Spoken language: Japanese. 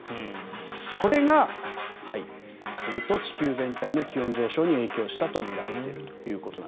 それが地球全体の気温上昇に影響したとみられていると。